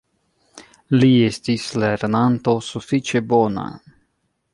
Li estis lernanto sufiĉe bona.